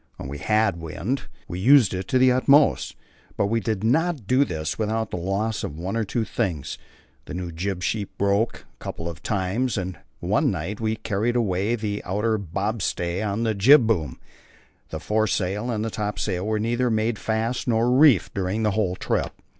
When we had wind, we used it to the utmost; but we did not do this without the loss of one or two things; the new jib sheet broke a couple of times, and one night we carried away the outer bobstay of the jib boom. The foresail and topsail were neither made fast nor reefed during the whole trip.